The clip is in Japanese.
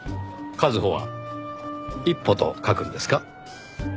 「かずほ」は「一歩」と書くんですか？